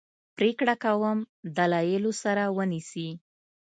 پرېکړه کوم دلایلو سره ونیسي.